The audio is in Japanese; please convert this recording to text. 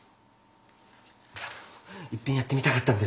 いっぺんやってみたかったんだよね。